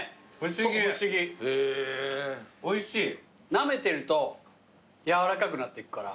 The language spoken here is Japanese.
なめてると軟らかくなっていくから。